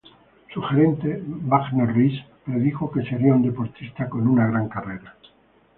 Su gerente, Bjarne Riis, predijo que sería un deportista con una gran carrera.